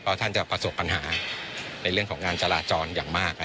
เพราะท่านจะประสบปัญหาในเรื่องของงานจราจรอย่างมาก